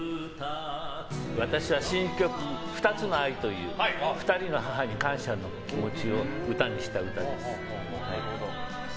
私は新曲「ふたつの愛」という２人の母に感謝の気持ちを歌にした歌です。